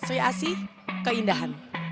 sri asi keindahan